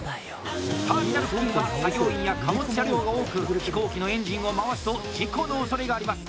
ターミナル付近は作業員や貨物車両が多く飛行機のエンジンを回すと事故のおそれがあります。